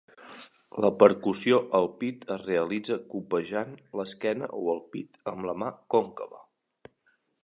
La percussió al pit es realitza copejant l'esquena o el pit amb la mà còncava.